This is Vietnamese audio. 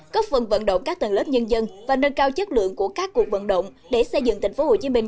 cấp phần vận động các tầng lớp nhân dân và nâng cao chất lượng của các cuộc vận động để xây dựng thành phố hồ chí minh